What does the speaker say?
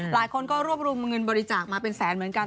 หลายคนก็รวบรวมเงินบริจาคมาเป็นแสนเหมือนกัน